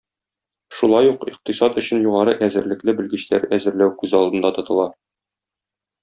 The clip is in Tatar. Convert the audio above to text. Шулай ук икътисад өчен югары әзерлекле белгечләр әзерләү күз алдында тотыла.